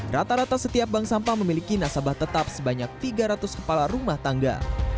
rata rata setiap bank sampah memiliki nasabah tetap sebanyak tiga ratus kepala rumah tangga